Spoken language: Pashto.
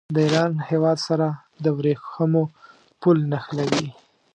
د ایران هېواد سره د ورېښمو پل نښلوي.